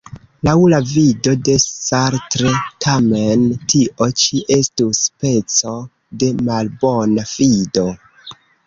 Laŭ la vido de Sartre, tamen, tio ĉi estus speco de malbona fido.